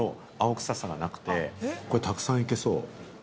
これ、たくさんいけそう。